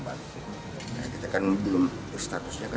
badan narkotika mengamankan satu alat hisap sabu sabu